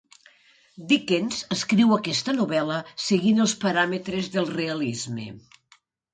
Dickens escriu aquesta novel·la seguint els paràmetres del realisme.